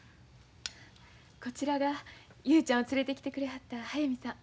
こちらが雄ちゃんを連れてきてくれはった速水さん。